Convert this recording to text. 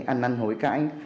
ăn ăn hối cãi